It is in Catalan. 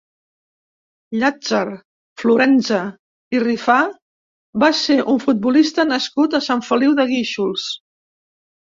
Llàtzer Florenza i Rifà va ser un futbolista nascut a Sant Feliu de Guíxols.